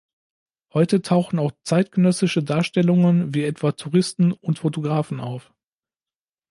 Heute tauchen auch zeitgenössische Darstellungen, wie etwa „Touristen“ und „Fotografen“ auf.